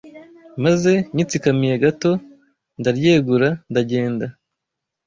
maze nyitsikamiye gato ndaryegura ndagenda